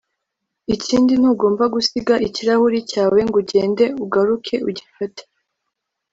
ikindi ntugomba gusiga ikirahuri cyawe ngo ugende ugaruke ugifate ,